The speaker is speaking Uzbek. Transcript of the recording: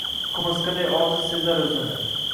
Qumursqaday ojiz sezar o’zini.